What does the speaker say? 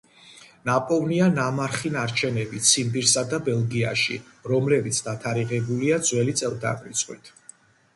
ნაპოვნია ნამარხი ნარჩენები ციმბირსა და ბელგიაში, რომლებიც დათარიღებულია ძველი წელთაღრიცხვით